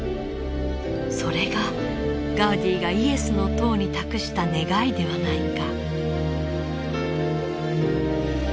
それがガウディがイエスの塔に託した願いではないか。